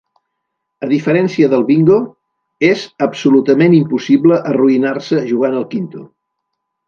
A diferència del bingo, és absolutament impossible arruïnar-se jugant al quinto.